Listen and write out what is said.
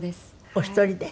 お一人で？